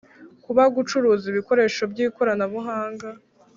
Kuba gucuruza ibikoresho by ikoranabuhanga